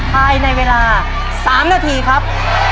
ภายในเวลา๓นาทีครับ